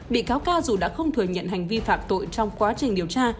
bị cáo ca dù đã không thừa nhận hành vi phạm tội trong quá trình điều tra